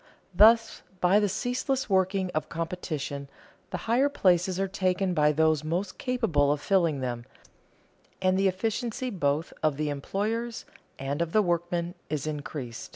Thus, by the ceaseless working of competition, the higher places are taken by those most capable of filling them, and the efficiency both of the employers and of the workmen is increased.